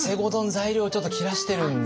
材料ちょっと切らしてるんですよね。